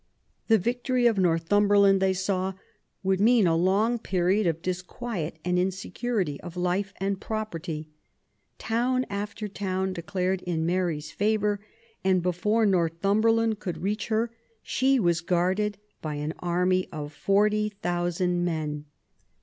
The victory of Northumberland, they saw, would mean a long period of disquiet, and insecurity of life and property. Town after town declared in Mary's favour, and before Northumberland could reach her she was guarded by an army of 40,000 men.